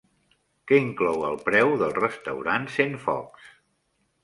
Què inclou el preu del restaurant Centfocs?